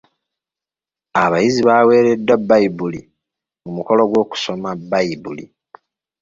Abayizi baaweereddwa Bbayibuli mu mukolo gw'okusoma Bbayibuli.